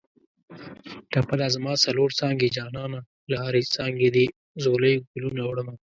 ټپه ده: زما څلور څانګې جانانه له هرې څانګې دې ځولۍ ګلونه وړمه